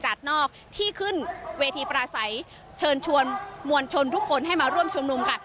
นอกที่ขึ้นเวทีปราศัยเชิญชวนมวลชนทุกคนให้มาร่วมชุมนุมค่ะ